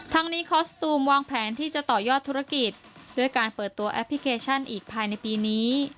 ทั้งนี้คอสตูมวางแผนที่จะต่อยอดธุรกิจด้วยการเปิดตัวแอปพลิเคชันอีกภายในปีนี้